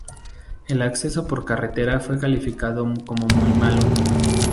El acceso por carretera fue calificado como muy malo.